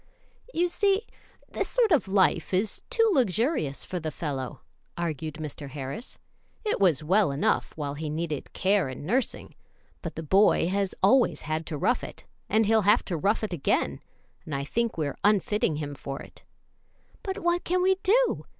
"You see, this sort of life is too luxurious for the fellow," argued Mr. Harris. "It was well enough while he needed care and nursing, but the boy has always had to rough it, and he'll have to rough it again; and I think we're unfitting him for it." "But what can we do?